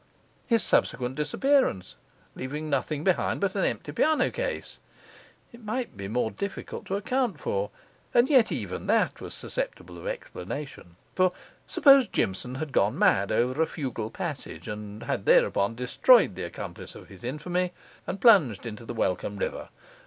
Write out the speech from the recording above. His subsequent disappearance, leaving nothing behind but an empty piano case, it might be more difficult to account for. And yet even that was susceptible of explanation. For, suppose Jimson had gone mad over a fugal passage, and had thereupon destroyed the accomplice of his infamy, and plunged into the welcome river?